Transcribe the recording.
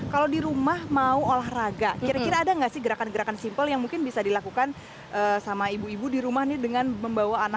kalau di rumah mau olahraga kira kira ada nggak sih gerakan gerakan simpel yang mungkin bisa dilakukan sama ibu ibu di rumah nih dengan membawa anak anak